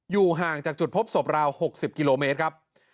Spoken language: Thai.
ห่างจากจุดพบศพราว๖๐กิโลเมตรครับ